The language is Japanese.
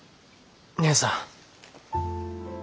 義姉さん。